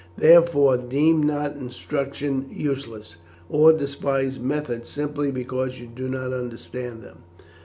Therefore deem not instruction useless, or despise methods simply because you do not understand them.